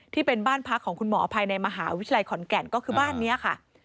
ที่เป็นบ้านพักของคุณหมอภายในมหาวิทยาลัยขอนแก่นก็คือบ้านนี้ค่ะ